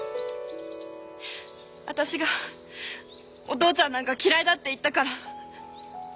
私が「お父ちゃんなんか嫌いだ」って言ったから。